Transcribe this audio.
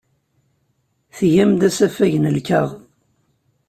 Tgam-d asafag n lkaɣeḍ.